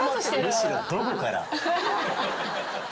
むしろどこから？